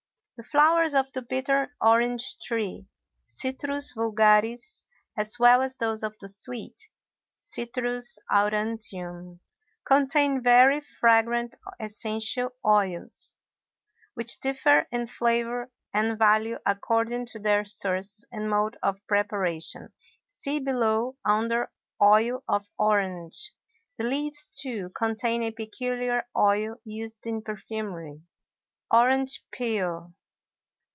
The flowers of the bitter orange tree (Citrus vulgaris), as well as those of the sweet (Citrus Aurantium), contain very fragrant essential oils, which differ in flavor and value according to their source and mode of preparation. See below, under Oil of Orange. The leaves, too, contain a peculiar oil used in perfumery. ORANGE PEEL.